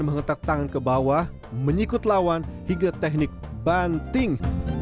menghentak tangan ke bawah menyikut lawan hingga teknik banting